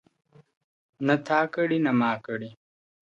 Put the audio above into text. ¬ نه تا کړي، نه ما کړي.